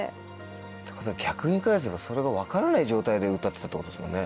っていうことは逆に言い換えるとそれが分からない状態で歌ってたってことですもんね。